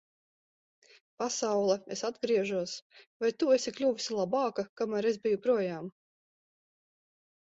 Pasaule, es atgriežos. Vai tu esi kļuvusi labāka, kamēr es biju projām?